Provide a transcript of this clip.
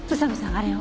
あれを。